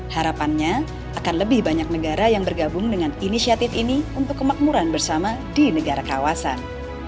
harapannya akan lebih banyak negara yang bergabung dengan inisiatif ini untuk kemakmuran bersama di negara kawasan